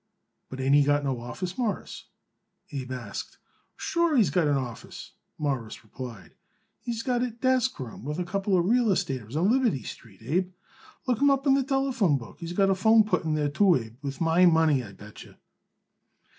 "But ain't he got no office, Mawruss?" Abe asked. "Sure, he's got an office," Morris replied. "He's got it desk room with a couple of real estaters on Liberty Street, Abe. Look him up in the telephone book. He's got a phone put in too, Abe, with my money, I bet yer."